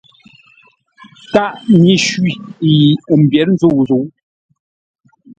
Tâʼ nyǐ shwî yi m mbyěr nzû zǔ.